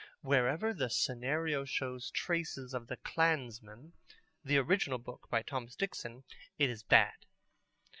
Wherever the scenario shows traces of The Clansman, the original book, by Thomas Dixon, it is bad.